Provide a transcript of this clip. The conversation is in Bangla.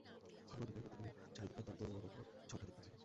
ঘন অন্ধকারের মধ্যে কেবল চারি দিকে দন্ত ও নখরের ছটা দেখিতে পাইলেন।